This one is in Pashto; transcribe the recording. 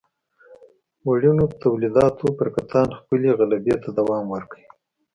وړینو تولیداتو پر کتان خپلې غلبې ته دوام ورکړ.